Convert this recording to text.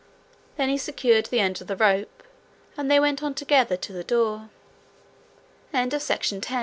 There he secured the end of the rope, and they went on together to the door. CHAPTER 17 The